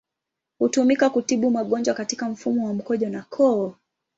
Hutumika kutibu magonjwa katika mfumo wa mkojo na koo.